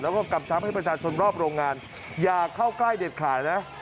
แล้วก็กำชับให้ประชาชนรอบโรงงานอย่าเข้าใกล้เด็ดขาดนะ